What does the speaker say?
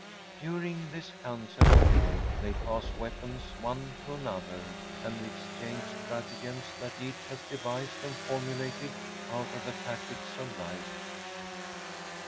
During this council of war they pass weapons one to another, and exchange stratagems that each has devised and formulated out of the tactics of life.